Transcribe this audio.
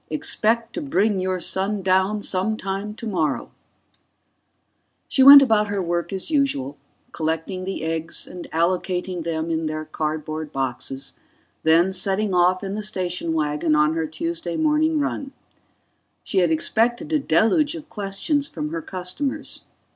Expect to bring your son down sometime tomorrow_. She went about her work as usual, collecting the eggs and allocating them in their cardboard boxes, then setting off in the station wagon on her Tuesday morning run. She had expected a deluge of questions from her customers.